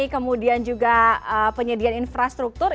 kemudian juga penyediaan infrastruktur